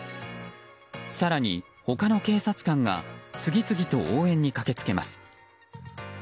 更に、他の警察官が次々と応援に駆け付けます。